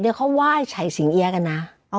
๒๐เนี่ยเขาไหว้ฉลายสิงเอียฯกันนะ